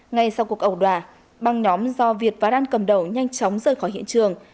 ngay sau cuộc ẩu đoà băng nhóm do việt và đan cầm đầu nhanh chóng rời khỏi hiện trường